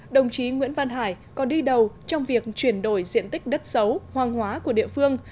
đồng chí nguyễn văn hải còn đi đầu trong việc chuyển đổi diện tích đất xấu hoang hóa của địa phương